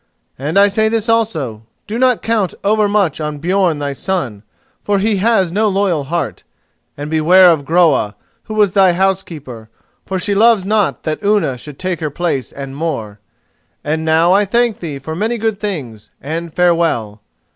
And I say this also: do not count overmuch on Björn thy son, for he has no loyal heart; and beware of Groa, who was thy housekeeper, for she loves not that Unna should take her place and more. And now I thank thee for many good things, and farewell."